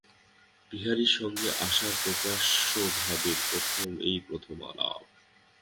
বিহারীর সঙ্গে আশার প্রকাশ্যভাবে এই প্রথম আলাপ।